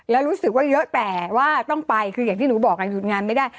แล้วรู้สึกว่าเยอะแต่ว่าต้องไปคืออย่างที่หนูบอกไงหยุดงานไม่ได้